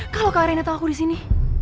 kalau kak raina tau aku disini